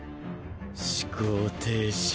思考停止。